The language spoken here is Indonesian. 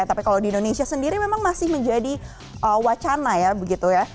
tapi kalau di indonesia sendiri memang masih menjadi wacana ya begitu ya